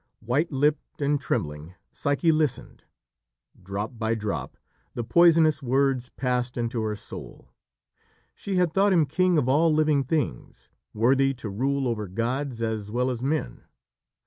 White lipped and trembling, Psyche listened. Drop by drop the poisonous words passed into her soul. She had thought him king of all living things worthy to rule over gods as well as men.